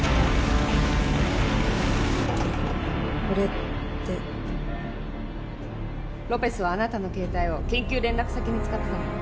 これってロペスはあなたの携帯を緊急連絡先に使ってたの？